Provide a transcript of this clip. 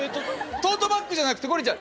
トートバッグじゃなくてこれじゃん。